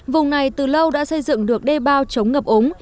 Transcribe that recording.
vùng này từ lâu đã xây dựng được đê bao chống ngập ống